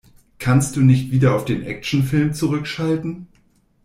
Kannst du nicht wieder auf den Actionfilm zurückschalten?